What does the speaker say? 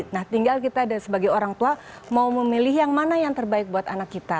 nah tinggal kita sebagai orang tua mau memilih yang mana yang terbaik buat anak kita